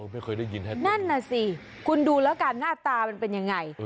ไม่เคยได้ยินท่านน่ะสิคุณดูแล้วกันหน้าตามันเป็นยังไง